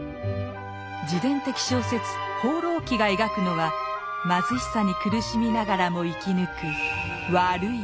自伝的小説「放浪記」が描くのは貧しさに苦しみながらも生き抜く「悪い」